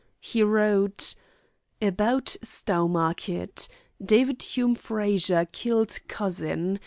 He wrote: "About Stowmarket. David Hume Frazer killed cousin.